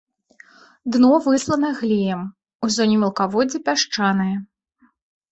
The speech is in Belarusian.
Дно выслана глеем, у зоне мелкаводдзя пясчанае.